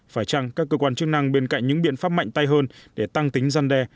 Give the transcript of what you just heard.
phải chăng các cơ quan chức năng bên cạnh những biện pháp mạnh tay hơn để tăng tính gian đe